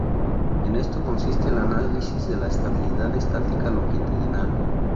En esto consiste el análisis de la estabilidad estática longitudinal.